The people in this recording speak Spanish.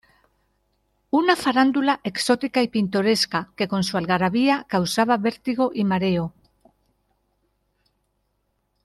una farándula exótica y pintoresca que con su algarabía causaba vértigo y mareo.